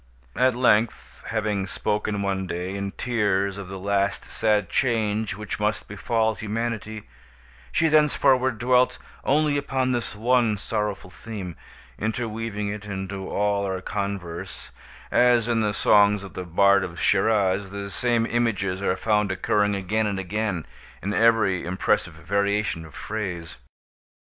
At length, having spoken one day, in tears, of the last sad change which must befall Humanity, she thenceforward dwelt only upon this one sorrowful theme, interweaving it into all our converse, as, in the songs of the bard of Schiraz, the same images are found occurring, again and again, in every impressive variation of phrase.